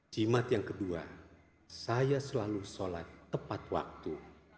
jimat yang kedua saya selalu sholat tepat waktu